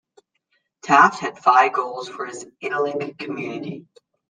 Taft had five goals for his idyllic community.